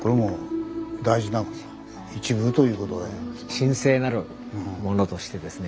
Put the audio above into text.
神聖なるものとしてですね